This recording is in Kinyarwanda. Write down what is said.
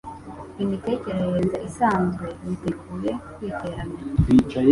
Imitekerereze isanzwe yiteguye kwiteranya